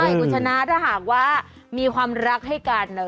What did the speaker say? กุชนะถ้าหากว่ามีความรักให้กันเลย